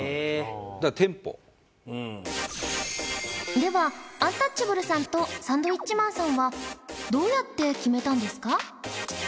ではアンタッチャブルさんとサンドウィッチマンさんはどうやって決めたんですか？